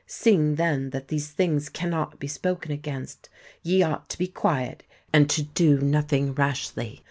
Seeing then that these things cannot be spoken against, ye ought to be quiet, and to do nothing rashly.